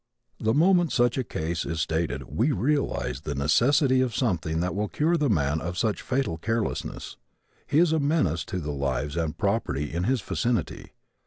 The moment such a case is stated we realize the necessity of something that will cure the man of such fatal carelessness. He is a menace to the lives and property in his vicinity.